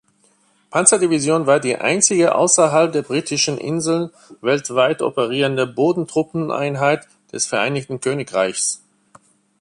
Panzerdivision war die einzige außerhalb der Britischen Inseln weltweit operierende Bodentruppen-Einheit des Vereinigten Königreichs.